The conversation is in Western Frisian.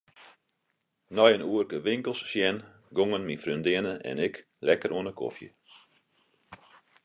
Nei in oerke winkels sjen gongen myn freondinne en ik lekker oan 'e kofje.